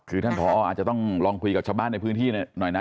คือท่านผออาจจะต้องลองคุยกับชาวบ้านในพื้นที่หน่อยนะ